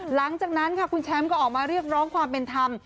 หลังจากนั้นค่ะคุณแชมป์ก็ออกมาเรียกร้องความเป็นธรรม